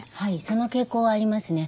その傾向はありますね。